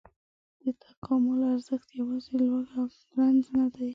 د تکامل ارزښت یواځې لوږه او رنځ نه دی.